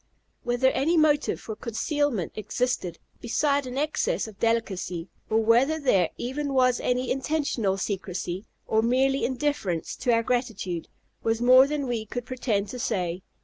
Whether any motive for concealment existed, beside an excess of delicacy, or whether there even was any intentional secresy, or merely indifference to our gratitude, was more than we could pretend to say.